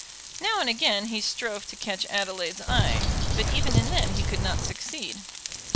Now and again he strove to catch Adelaide's eye, but even in that he could not succeed.